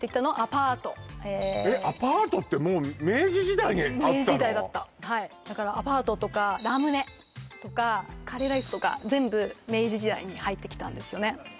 めっちゃいいねお前か意外だな明治時代だったはいアパートとかラムネとかカレーライスとか全部明治時代に入ってきたんですよね